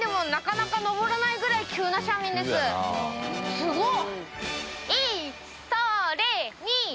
すごっ！